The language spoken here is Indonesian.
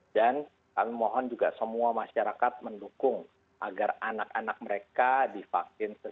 dan kami mohon juga semua masyarakat mendukung agar anak anak mereka divaksin sesuai